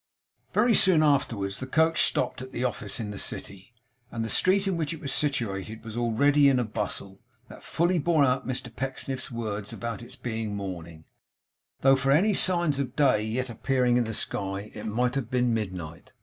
Very soon afterwards the coach stopped at the office in the city; and the street in which it was situated was already in a bustle, that fully bore out Mr Pecksniff's words about its being morning, though for any signs of day yet appearing in the sky it might have been midnight.